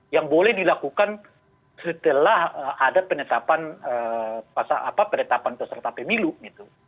yang boleh dilakukan setelah ada penetapan peserta pemilu gitu